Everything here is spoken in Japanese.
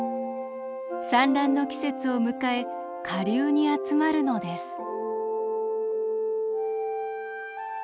産卵の季節を迎え下流に集まるのです。